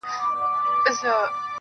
دي ښاد سي د ځواني دي خاوري نه سي.